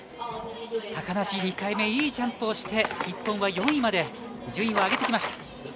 高梨２回目、いいジャンプをして、日本は４位まで順位を上げてきました。